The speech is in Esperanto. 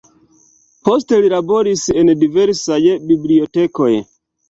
Poste li laboris en diversaj bibliotekoj.